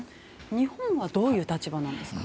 日本はどういう立場なんですか？